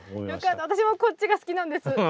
私もこっちが好きなんです。